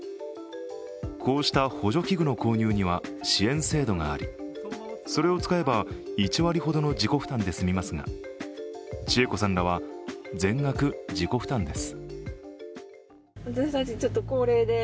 こうした補助器具の購入には支援制度がありそれを使えば１割ほどの自己負担で済みますが千恵子さんらは全額自己負担です。